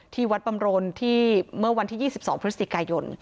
ที่วัดบำรนที่เมื่อวันที่๒๒พฤศจิกายน